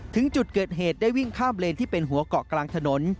ถึงจุดเกิดเหตุได้วิ่งข้ามเลนที่เป็นหัวเกาะกลางถนน